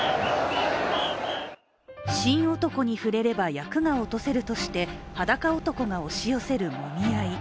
神男に触れれば厄が落とせるとして裸男が押し寄せるもみ合い。